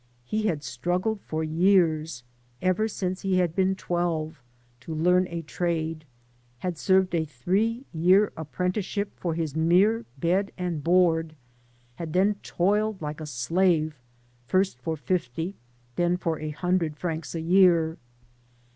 He had struggled for years — ever since he had been twelve — ^to learn a trade; had served a three year apprenticeship for his mere bed and board; had then toiled like a slave first for fifty, then for a hundred francs a year.